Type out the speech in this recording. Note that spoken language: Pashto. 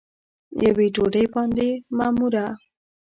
یوې ډوډۍ باندې معموره